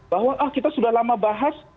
bahwa ah kita sudah lama bahas